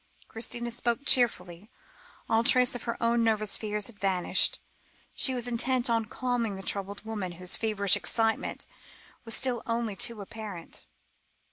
Christina spoke cheerfully, all trace of her own nervous fears had vanished; she was intent on calming the troubled woman, whose feverish excitement was still only too apparent.